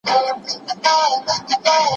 زده کړه د محلي ژوند د خوشحالۍ لامل دی.